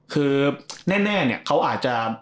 คือแน่เขาอาจจะ